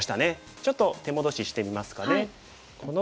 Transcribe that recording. ちょっと手戻ししてみますかね。